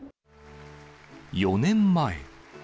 ４年前。